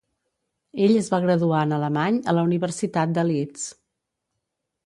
Ell es va graduar en alemany a la Universitat de Leeds.